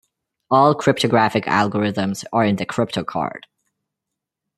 All cryptographic algorithms are in the crypto card.